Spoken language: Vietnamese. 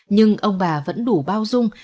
nhưng ông bà vẫn đủ bao dung